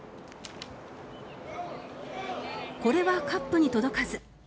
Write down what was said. これはカップに届かず。